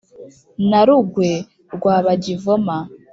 na rugwe rwa bajyivoma.